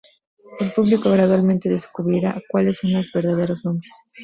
El público gradualmente descubrirá cuales son los verdaderos nombres'.